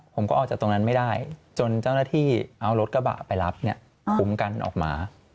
ออกจากตรงนั้นไม่ได้จนเจ้าหน้าที่เอารถกระบะไปรับคุ้มกันออกมา